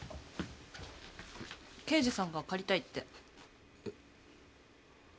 刑事さんが借りたいって。